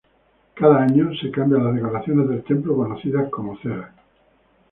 Cada año se cambian las decoraciones del templo, conocidas como "ceras".